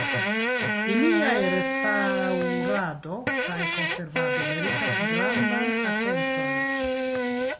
Iliaj restaŭrado kaj konservado meritas grandan atenton.